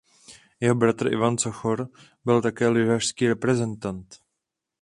Jeho bratr Ivan Sochor byl také lyžařský reprezentant.